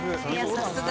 さすが。